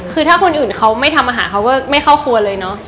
คือถ้าคนอื่นเขาไม่ทำอาหารเขาก็ไม่เข้าครัวเลยเนอะ